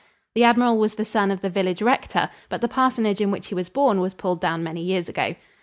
The admiral was the son of the village rector, but the parsonage in which he was born was pulled down many years ago.